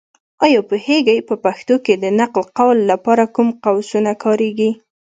ایا پوهېږې؟ په پښتو کې د نقل قول لپاره کوم قوسونه کارېږي.